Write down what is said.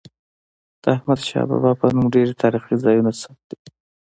د احمدشاه بابا په نوم ډیري تاریخي ځایونه ثبت دي.